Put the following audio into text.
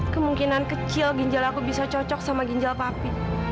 kemungkinan kecil ginjal aku bisa cocok sama ginjal papi